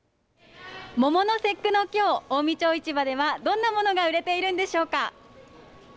桃の節句のきょう近江町市場ではどんなものが売れているんでしょうか。